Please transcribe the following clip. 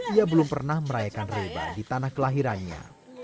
ia belum pernah merayakan reba di tanah kelahirannya